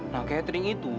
nah catering itu